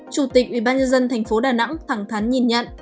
chủ tịch ubnd thành phố đà nẵng thẳng thắn nhìn nhận